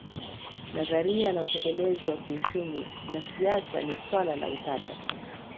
Nadharia na utekelezi wa kiuchumi na siasa ni swala la utata